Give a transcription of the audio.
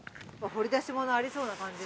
掘り出し物ありそうな感じ。